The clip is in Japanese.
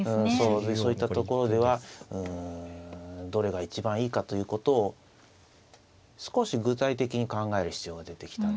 そういったところではどれが一番いいかということを少し具体的に考える必要が出てきたんですね。